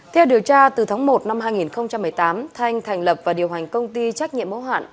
theo điều tra từ tháng một năm hai nghìn một mươi tám thanh thành lập và điều hành công ty trách nhiệm mẫu hạn